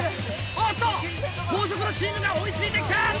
あっと後続のチームが追い付いてきた！